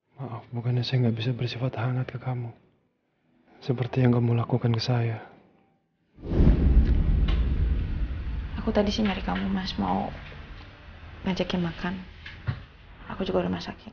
mendingan sekarang kita lihat adik askar